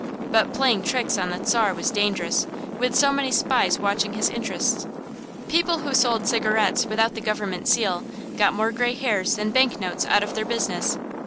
But playing tricks on the Czar was dangerous, with so many spies watching his interests. People who sold cigarettes without the government seal got more gray hairs than bank notes out of their business.